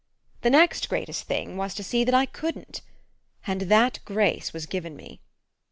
The next greatest thing was to see that I couldn't and that grace was given me.